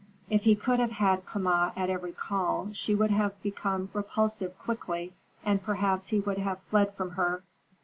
If he could have had Kama at every call, she would have become repulsive quickly, and perhaps he would have fled from her.